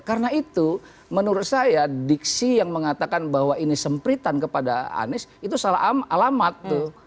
karena itu menurut saya diksi yang mengatakan bahwa ini sempritan kepada anies itu salah alamat tuh